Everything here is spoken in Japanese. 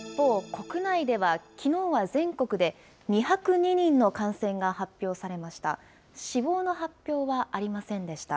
国内ではきのうは全国で、２０２人の感染が発表されました。